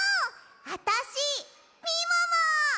あたしみもも！